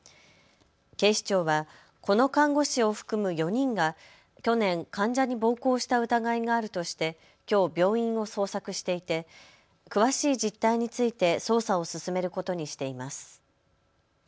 警視庁はこの看護師を含む４人が去年、患者に暴行した疑いがあるとしてきょう病院を捜索していて詳しい実態について捜査を進めることにしています。